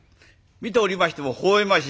見ておりましてもほほ笑ましいもんで。